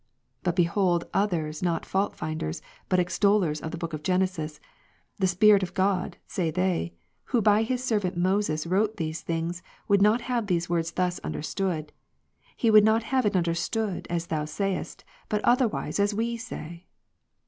But behold others not fault finders, but extollers of ~—' the book of Genesis ;" The Spirit of God," say they, " Who by His servant Moses wrote these things, would not have those words thus understood ; He would not have it under stood, as thou sayest, but otherwise, as we say."